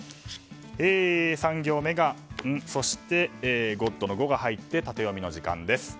３行目、「ン」ゴッドの「ゴ」が入ってタテヨミの時間です。